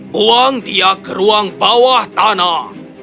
buang dia ke ruang bawah tanah